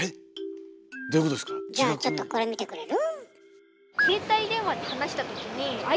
じゃあちょっとこれ見てくれる？